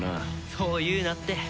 そう言うなって。